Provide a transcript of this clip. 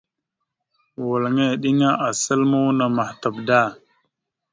Walŋa eɗiŋa asal muuna mahətaɓ da.